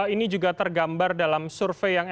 ini juga tergambar dalam survei yang